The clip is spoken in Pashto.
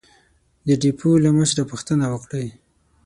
د ډېپو له مشره پوښتنه وکړئ!